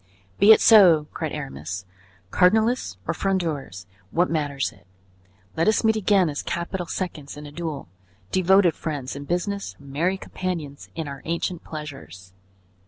"Be it so," cried Aramis. "Cardinalists or Frondeurs, what matters it? Let us meet again as capital seconds in a duel, devoted friends in business, merry companions in our ancient pleasures."